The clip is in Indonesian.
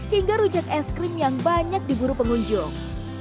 hingga rujak es krim yang banyak di guru pengunjung